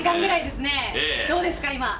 どうですか、今。